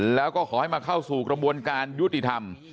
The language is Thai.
แล้วก็ขอให้มาเข้าสู่กระบวนการยุติธรรม